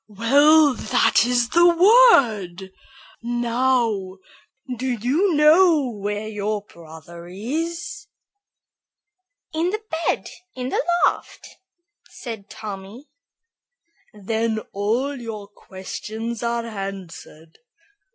'" "Well, that is the word! Now, do you know where your brother is?" "In bed in the loft," said Tommy. "Then all your questions are answered.